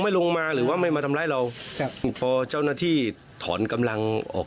ไม่ลงมาหรือว่าไม่มาทำร้ายเราก็เจ้านาที่ถอนกำลังออก